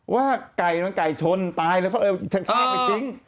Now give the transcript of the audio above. ว่าไก่ชนตายแล้วเขาเอาไปทิ้ง